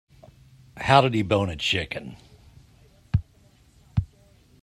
How to debone a chicken.